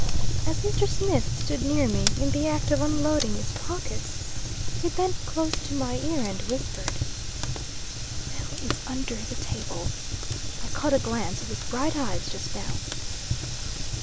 As Mr. Smith stood near me, in the act of unloading his pockets, he bent close to my ear and whispered: "Will is under the table. I caught a glance of his bright eyes, just now."